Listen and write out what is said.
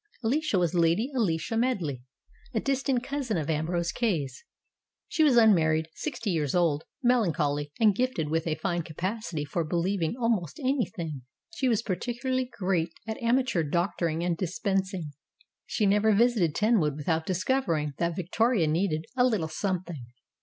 Alicia was Lady Alicia Medley, a distant cousin of Ambrose Kay's. She was unmarried, sixty years old, melancholy, and gifted with a fine capacity for be lieving almost anything. She was particularly great at amateur doctoring and dispensing. She never vis ited Tenwood without discovering that Victoria needed "a little something."